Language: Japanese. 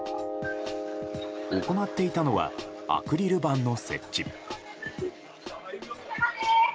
行っていたのはアクリル板の設置。